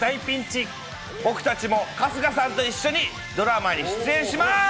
僕たちも春日さんと一緒にドラマに出演します。